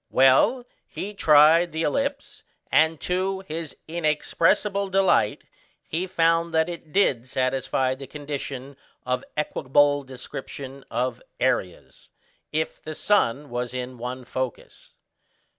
Well, he tried the ellipse, and to his inexpressible delight he found that it did satisfy the condition of equable description of areas, if the sun was in one focus.